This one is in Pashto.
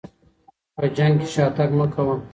په جنګ کي شاتګ مه کوه.